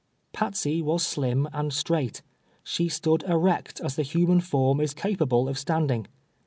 Patsey was slim and straight. She stood erect as the human form is capable of standing.